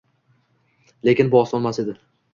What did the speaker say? Lekin bu osonmas edi